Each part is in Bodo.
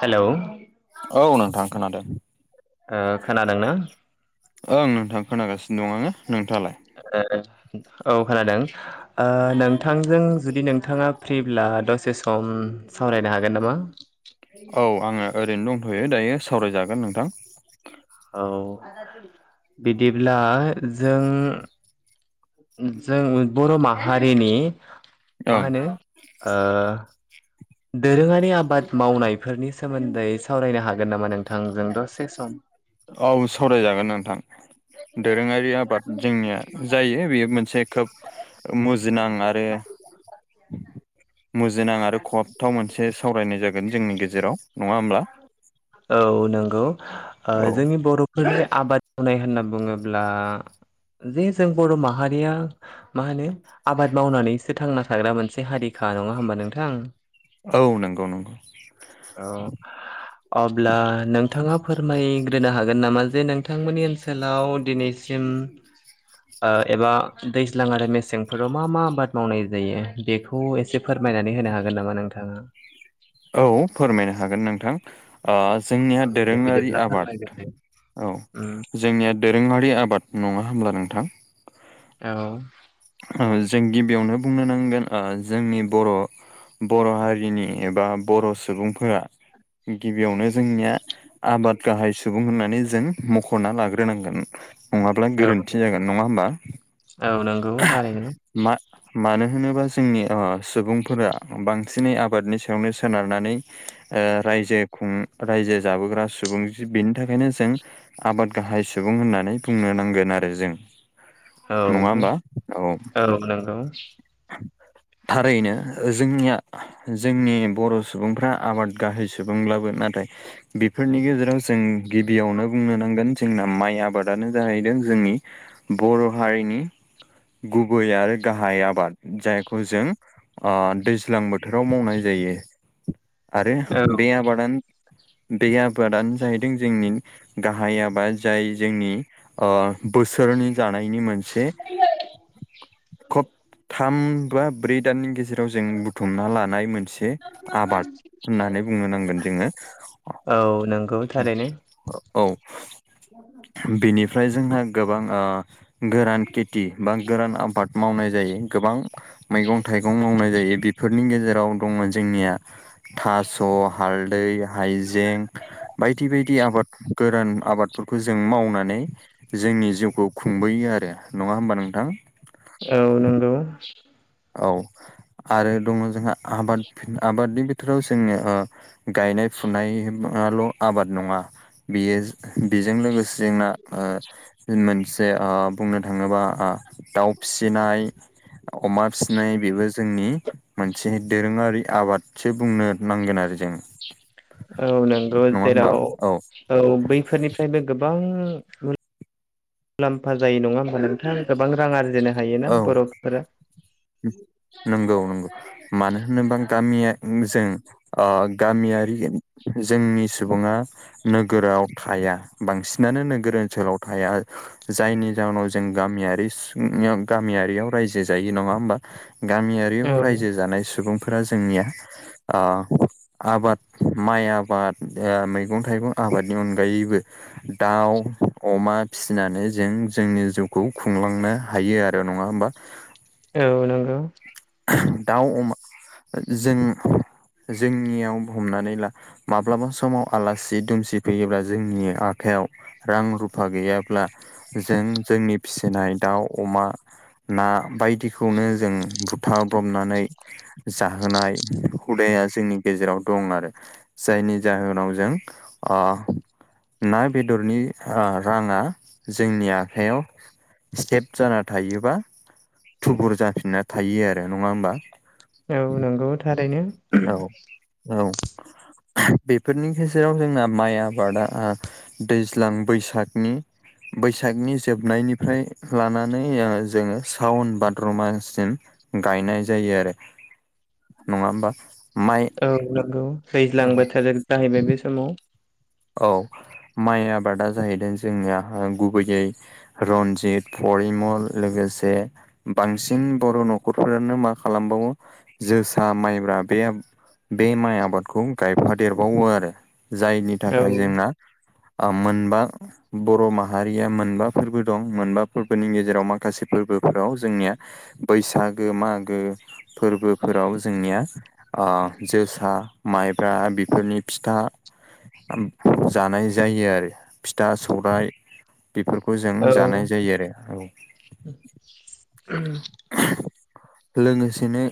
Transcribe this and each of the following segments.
हेलौ औ नोंथां खोनादों। ओ खोनादों ना? ओं नोंथां खोनागासिनो दं आङो नोंथाङालाय? ए ए औ खोनादों। ओ नोंथांजों जुदि नोंथाङा फ्रिब्ला दसे सम सावरायनो हागोन नामा? औ आङो ओरैनो दंथ'यो दायो सावरायजागोन नोंथां। औ बिदिब्ला जों जों बर' माहारिनि मा ओं होनो ओ दोरोङारि आबाद मावनायफोरनि सोमोन्दै सावरायनो हागोन नामा नोंथांजों दसे सम? औ सावरायजागोन नोंथां दोरोङारि आबाद जोंनिया जायो बेयो मोनसे खोब मुजिनां आरो मु जिनां आरो खहाबथाव मोनसे सावरायनाय जागोन जोंनि गेजेराव नङा होमब्ला? औ नोंगौ। ओ औ जोंनि बर'फोरनि आबाद होननाय होनना बुङोब्ला जे जों बर' माहारिया मा होनो आबाद मावनानैसो थांना थाग्रा मोनसे हारिखा नङा होमबा नोंथां? औ नंगौ नंगौ। औ अब्ला नोंथाङा फोरमायग्रोनो हागोन नामा जे नोंथांमोननि ओनसोलाव दिनै सिम ओ एबा दैज्लां आरो मेसेंफोराव मा मा आबाद मावनाय जायो बे खौ एसे फोरमायनानै होनो हागोन नामा नोंथाङा? औ फोरमायनो हागोन नोंथां। ओ जोंनिया दे दोरोङारि बिदिब्ला आबाद फोरमायग्रोदो। औ। उम जोंनिया दोरोङारि आबाद नङा होमब्ला नोंथां? औ। ओ जों गिबियावनो बुंनो नांगोन ओ जोंनि बर' बर' हारिनि एबा बर' सुबुंफोरा गिबियावनो जोंनिया आबाद गाहाय सुबुं होननानै जों मख'ना लाग्रोनांगोन। नङाब्ला औ गोरोन्थि जागोन नङा होमबा! औ नोंगौ थारैनो। मा-मानो होनोबा जोंनि ओ सुबुंफोरा बां सिनै आबादनि सायावनो सोनारनानै ओ रायजो उम रायजो जाबोग्रा सुबुं जि बेनि थाखायनो जों आबाद गाहाय सुबुं होननानै बुंनो नांगोन आरो जों। नङा होमबा औ। औ। नोंगौ। [inaudible] थारैनो जोंनिया जोंनि बर' सुबुंफ्रा आबाद गाहाय सुबुंब्लाबो नाथाय बिफोरनि गेजेराव जों गिबियावनो बुंनो नांगोन जोंना माइ आबादानो जाहैदों जोंनि बर' हारिनि गुबै आरो गाहाय आबाद। जायखौ जों ओ दैज्लां बोथोराव मावनाय जायो। आरो औ बे आबादानो बे आबादानो जाहैदों जोंनि गाहाय आबा जाय जोंनि ओ बोसोरनि जानायनि मोनसे खब [inaudible] थाम बा ब्रै दाननि गेजेराव जों बुथुमना लानाय मोनसे आबाद होननानै बुंनो नांगोन जोङो। औ नोंगौ थारैनो। औ बेनिफ्राय जोंहा गोबां ओ गोरान खेथि बा गोरान आबाद मावनाय जायो गोबां मैगं थाइगं मावनाय जायो बेफोर नि गेजेराव दङ जोंनिया थास' हालदै हाइजें बायदि बायदि आबाद गोरान आबादफोरखौ जों मावनानै जोंनि जिउखौ खुंबोयो आरो नङा होमबा नोंथां औ नंगौ औ आरो दङ जोंहा आबाद आबादनि बिथोराव जोङो गायनाय फुनायल' आबाद नङा बेयो बेजों लोगोसे जेंना मोनसे बुंनो थाङोबा दाउ फिसिनाय अमा फिसिनाय बेबो जोंनि मोनसे दोरोङारि आबादसो बुंनो नांगोन आरो जों औ नंगौ नङा जेराव होमबा औ बैफोरनिफ्रायबो गोबां मुलाम्फा जायो नङा होमबा नोंथाङा गोबां रां आरजेनो हायोना औ बरफफोरा नंगौ नंगौ मानो होनोबा गामिया जों गामियारि जोंनि सुबुङा नोगोराव थाया बांसिनानो नोगोर ओनसोलाव थाया जायनि जाउनाव जों गामियारि गामियारियाव रायजो जायो नङा होमबा गामियारि औ रायजो जानाय सुबुंफोरा जोंनिया आबाद माइ आबाद मैगं थाइगं आबादनि अनगायैबो दाउ अमा फिसिनानै जों जोंनि जिउखौ खुंलांनो हायो आरो नङा होमबा औ नगौ दाउ अमा जों जोंनियाव हमनानै ला माब्लाबा समाव आलासि दुमसि फैयोब्ला जोंनि आखाइयाव रां रुफा गैयाब्ला जों जोंनि फिसिनाय दाउ अमा ना बायदिखौनो जों बुथाब्रबनानै जाहोनाय हुदाया जोंनि गेजेराव दं आरो जायनि जाहोनाव जों ना बेदरनि राङा जोंनि आखाइयाव स्टेप जाना थायोबा थुबुर जाफिनना थायो आरो नङा होमबा औ नंगौ थारैनो औ औ बेफोरनि गेजेराव जोंना माइ आबादा दैज्लां बैसागनि बैसागनि जोबनायनिफ्राय लानानै जोङो सावन भाद्रमासिम गायनाय जायो आरो नङा होमबा माइ औ नंगौ दैज्लां बोथोर जाहैबाय बे समाव औ माइ आबादा जाहैदों जोंनिया गुबैयै रन्जित परिमल लोगोसे बांसिन बर' न'खरफोरानो मा खालामबावो जोसा माइब्रा बे बे माइ आबादखौ गायफादेरबावो आरो जायनि औ थाखाय जोंना मोनबा बर' माहारिया मोनबा फोरबो दं मोनबा फोरबोनि गेजेराव माखासे फोरबोफोराव जोंनिया बैसागो मागो फोरबोफोराव जोंनिया जोसा माइब्रा बेफोरनि फिथा जानाय जायो आरो फिथा सौराइ बेफोरखौ जों औ जानाय जायो आरो औ [inaudible] लोङोसेनो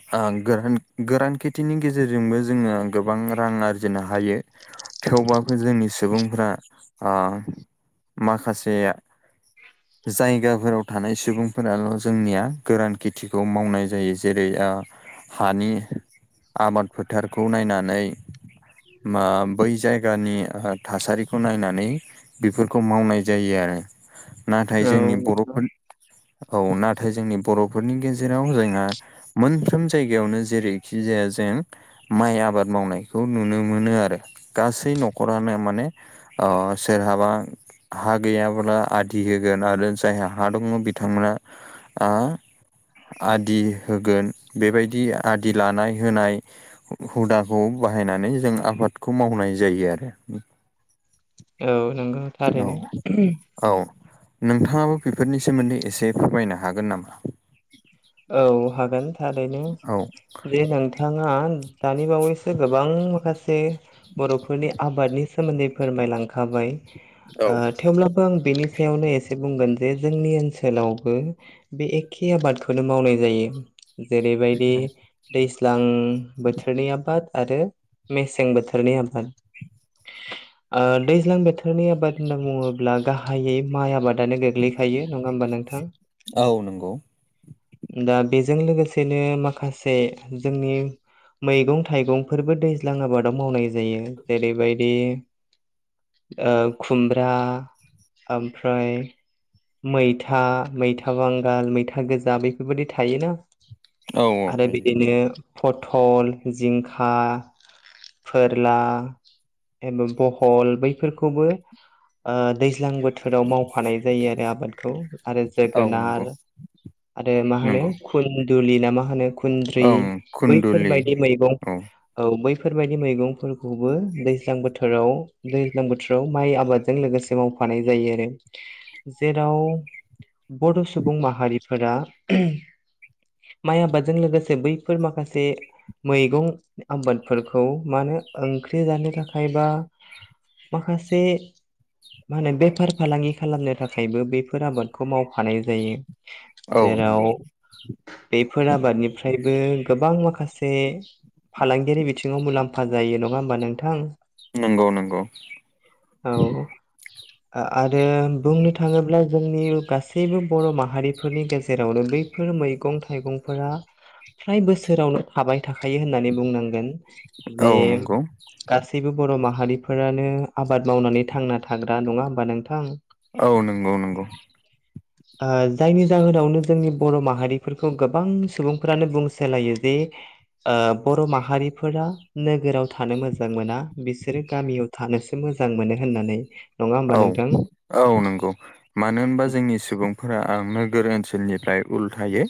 गोरान गोरान खेथिनि गेजेरजोंबो जोङो गोबां रां आरजि जोंनाहायो थेवबाबो जोंनि सुबुंफोरा ओ माखासे जायगाफोराव थानाय सुबुंफोराल' जोंनिया गोरान खेथिखौ मावनाय जायो जेरै हानि आबाद फोथारखौ नायनानै मा बै जायगानि थासारिखौ नायनानै बेफोरखौ मावनाय जायो आरो। नाथाय औ जोंनि बर'फोर औ नाथाय जोंनि बर'फोरनि गेजेराव जोंहा मोनफ्रोम जायगायावनो जेरैखि जाया जों माइ आबाद मावनायखौ नुनो मोनो आरो गासै न'खरानो माने सोरहाबा हा गैयाब्ला आदि होगोन आरो जायहा हा दङ बिथांमोना आदि होगोन बेबायदि आदि लानाय होनाय हुदाखौ बाहायनानै जों आबादखौ मावनाय जायो आरो। औ नंगौ औ थारैनो औ नोंथाङाबो बेफोरनि सोमोन्दै एसे फोरमायनो हागोन नामा? औ हागोन थारैनो औ जे नोंथाङा दानि बावैसो गोबां माखासे बर'फोरनि आबादनि सोमोन्दै फोरमायलांखाबाय थेवब्लाबो आं बेनि सायावनो एसे बुंगोन जे जोंनि ओनसोलावबो बे एखे आबादखौ फोरनो मावनाय जायो जेरैबायदि दैज्लां बोथोरनि आबाद आरो मेसें बोथोरनि आबाद दैज्लां बोथोरनि आबाद होनना बुङोब्ला गाहायै माइ आबादानो गोग्लै थायो नङा होमबा नोंथां? औ नंगौ दा बेजों लोगोसेनो माखासे जोंनि मैगं थाइगंफोरबो दैज्लां आबादाव मावनाय जायो जेरैबायदि खुमब्रा ओमफ्राय मैथा मैथा बांगाल मैथा था गोजा बेफोरबायदि थायोना औ औ आरो थायो बिदिनो पथल जिंखा फोरला एबा बहल बैफोरखौबो दैज्लां बोथो बोथोराव मावफानाय जायो आरो आबादखौ आरो औ नंगौ जोगोनार मा होनो नंगौ खुन्दुलि ना मा होनो खुन्द्रि ओं खुन्दुलि बैफोरबायदि मैगं औ औ बैफोरबायदि मैगंफोरखौबो दैज्लां बोथोराव दैज्लां बोथोराव माइ आबादजों लोगोसे मावफानाय जायो आरो जेराव बड' सुबुं माहारि हारिफोरा माइ आबादजों लोगोसे बैफोर माखासे मैगं आबादफोरखौ मानो ओंख्रि जानो थाखायबा, माखासे, मा होनो बेफार फालांगि खालामनो थाखायबो बेफोर आबादखौ मावफानाय जायो। औ नंगौ जेराव बेफोर आबादनिफ्रायबो गोबां माखासे, फालांगियारि बिथिङाव मुलाम्फा जायो नङा होमबा नोंथां, नंगौ नंगौ, औ आरो बुंनो थाङोब्ला जोंनि गासै, जेबो बर' माहारिफोरनि गेजेरावनो बैफोर मैगं थाइगंफोरा फ्राय बोसोरावनो थाबाय थाखायो होननानै बुंनांगोन औ जे नंगौ गासैबो बर' माहारिफोरानो आबाद मावनानै थांना थाग्रा नङा होमबा नोंथां? औ नंगौ नंगौ आ जायनि जाहोनावनो जोंनि बर' माहारिफोरखौ गोबां सुबुंफोरानो बुंसोलायो जे बर' माहारिफोरा नोगोराव थानो मोजां मोना बिसोरो गामियाव थानोसो मोजां मोनो होननानै, नङा होमबा औ नोंथां? औ नंगौ मानो होनबा जोंनि सुबुंफोरा आं नोगोरथिल निफ्राय उल्थायै,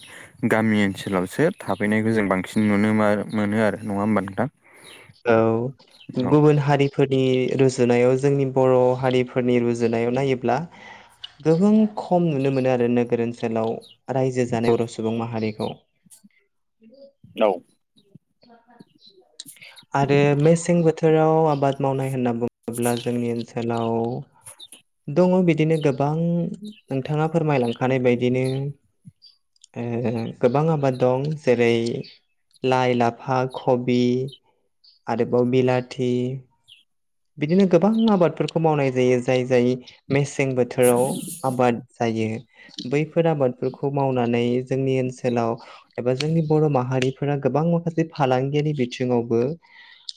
गामि ओनसोलावसो थाफैनायखौ जों बांसिन नुनो मोनो आरो नङा ओनबा नोंथां, औ गुबुन हारि, फोरनि रुजुनायाव जोंनि बर' हारिफोरनि रुजुनायाव नायोब्ला, गोबां खम नुनो मोनो आरो नोगोर ओनसोलाव रायजो जानाय बर' सुबुं माहारिखौ, औ [unintelligible] [unintelligible] आरो मेसें बोथोराव आबाद मावनाय होनना बुं, अब्ला जोंनि ओनसोलाव, दङ बिदिनो गोबां नोंथाङा फोरमायलांखानाय बायदिनो, गोबां आबाद दं जेरै लाय लाफ लाफा, खबि आरोबाव बिलाथि, बिदिनो गोबां आबादफोरखौ मावनाय जायो जाय जाय मेसे, मेसें बोथोराव आबाद जायो। बैफोर आबादफोरखौ मावनानै जोंनि ओनसोलाव, एबा जोंनि बर' माहारिफोरा गोबां माखासे फालांगियारि बिथिङावबो,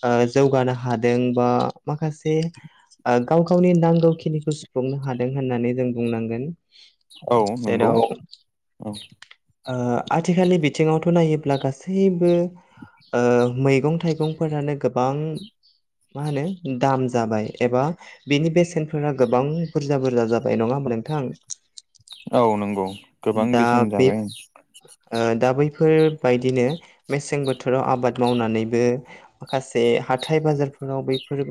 ओ जौगानो हादों बा, माखासे गाव गावनि नांगौखिनिखौ सुफुंनो हादों होननानै जों बुंनांगोन, औ नंगौ जेराव औ ओ आथिखालनि बिथिङावथ' नायोब्ला गासैबो, ओ मैगं थाइगंफोरानो गोबां मा होनो, दाम जाबाय एबा, बिनि बेसेनफोरा गोबां बुरजा बुरजा जाबाय नङा होमबा नोंथां, औ नंगौ गोबां दा बेसेन बे जाबाय, ओ दा बैफोरबायदिनो मेसें बोथोराव आबाद मावनानैबो, माखासे हाथाय बाजारफोराव बैफोर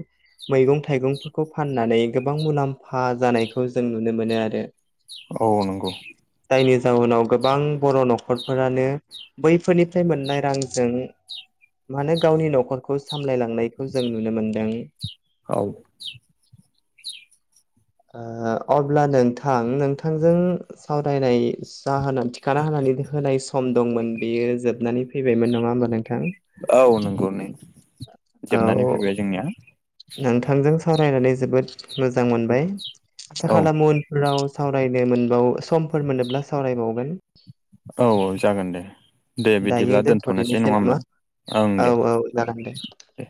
मैगं थाइगंफोरखौ फाननानै गोबां मुलाम्फा जानायखौ जों नुनो मोनो आरो औ नंगौ, जायनि जाहुनाव गोबां बर' न'खरफोरानो, बैफोरनिफ्राय मोननाय रांजों, मानो गावनि न'खरखौ सामलायलांनायखौ जों नुनो मोनदों, औ [inaudible] अब्ला नोंथां नोंथांजों, सावरायनाय जाहोना थिखाना होनानै होनाय सम दंमोन बेयो जोबनानै, फैबायमोन नङा होमबा नोंथां, औ नंगौ नै जोबनानै औ फैबाय जोंनिया, नोंथांजों सावरायनानै जोबोद मोजां मोनबाय आसा औ खालामो राव सावरायनो मोनबावो समफोर मोनोब्ला सावरायबावगोन। औ औ जागोन दे दे दायो बिदिब्ला दोनथ'नोसै दोनथ'दिनोसै नंङा नामा होमब्ला? ओं औ दे। औ जागोन दे दे